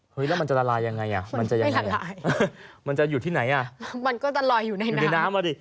เฮ้ยแล้วมันจะละลายยังไงอ่ะมันจะยังไงอ่ะมันจะอยู่ที่ไหนอ่ะมันก็จะลอยอยู่ในน้ำ